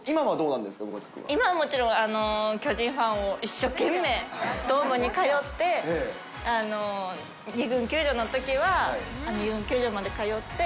今はもちろん巨人ファンを一生懸命ドームに通って、２軍球場のときは２軍球場まで通って。